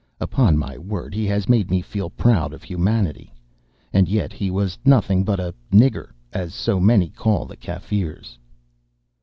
Upon my word he has made me feel proud of humanity. And yet he was nothing but a 'nigger,' as so many call the Kaffirs."